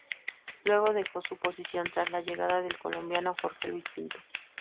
Luego dejó su posición tras la llegada del colombiano Jorge Luis Pinto.